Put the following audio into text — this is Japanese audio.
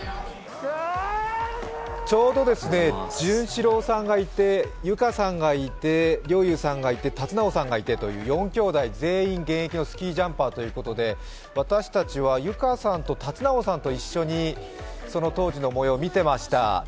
ちょうど潤志郎さんがいて諭果さんがいて陵侑さんがいて、龍尚さんがいてという４兄弟現役のスキージャンパーということで私たちは諭果さんと龍尚さんと一緒にその当時のもようをみてました。